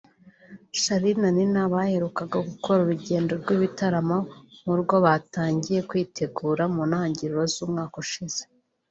Charly na Nina baherukaga gukora urugendo rw’ibitaramo nk’urwo batangiye kwitegura mu ntangiriro z’umwaka ushize